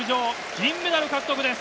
銀メダル獲得です。